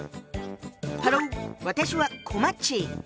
ハロー私はこまっち。